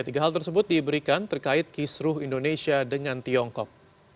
tiga hal tersebut diberikan terkait kisruh indonesia dengan tiongkok